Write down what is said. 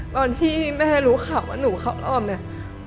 ตอนที่แม่รู้ข่าวว่าหนูเข้าอ้อมเนี่ย